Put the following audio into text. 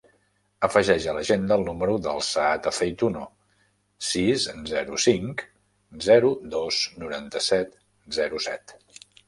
Afegeix a l'agenda el número del Saad Aceituno: sis, zero, cinc, zero, dos, noranta-set, zero, set.